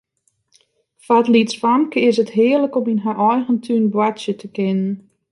Foar it lytsfamke is it hearlik om yn har eigen tún boartsje te kinnen.